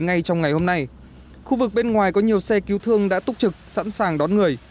ngay trong ngày hôm nay khu vực bên ngoài có nhiều xe cứu thương đã túc trực sẵn sàng đón người